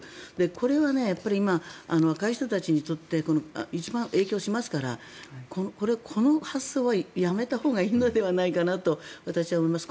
これは、今の若い人たちにとって一番影響しますからこの発想はやめたほうがいいのではないかなと思います。